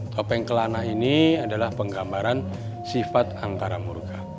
topeng kelana ini adalah penggambaran sifat antara murka